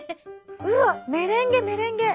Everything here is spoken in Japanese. うわっメレンゲメレンゲ。